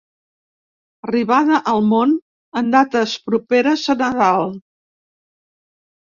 Arribada al món en dates properes a Nadal.